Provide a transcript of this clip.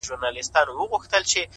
میکده په نامه نسته’ هم حرم هم محرم دی’